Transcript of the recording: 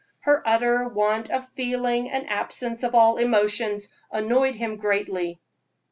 Her utter want of feeling and absence of all emotions annoyed him greatly.